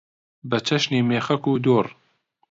بە چەشنی مێخەک و دوڕ